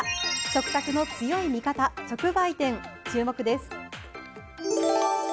食卓の強い味方、直売店注目です。